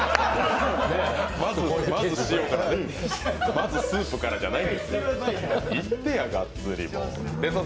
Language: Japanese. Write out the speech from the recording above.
まずスープからじゃないんですよ。